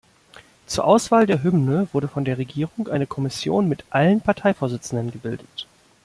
Zur Auswahl der Hymne wurde von der Regierung eine Kommission mit allen Parteivorsitzenden gebildet.